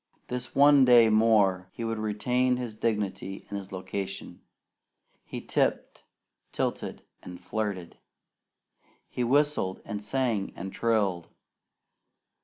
This one day more he would retain his dignity and his location. He tipped, tilted, and flirted. He whistled, and sang, and trilled.